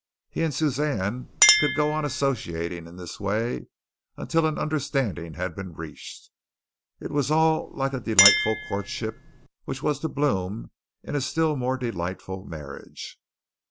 He and Suzanne could go on associating in this way until an understanding had been reached. It was all like a delightful courtship which was to bloom into a still more delightful marriage.